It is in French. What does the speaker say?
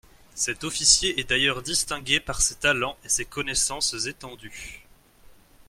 Cet officier est d'ailleurs distingué par ses talens et ses connaissances étendues.